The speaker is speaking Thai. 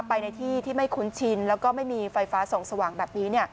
ไปในที่ที่ไม่คุ้นชินแล้วก็ไม่มีไฟฟ้าส่องสว่างแบบนี้